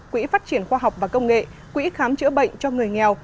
quỹ phát triển khoa học và công nghệ quỹ khám chữa bệnh cho người nghèo